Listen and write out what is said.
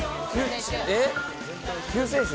救世主？